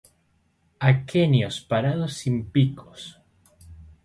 Aquenios pardos, sin picos.